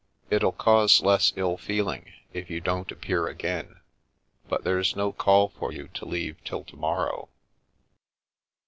It'll cause less ill feeling if you don't appear again, but there's no call for you to leave till to morrow."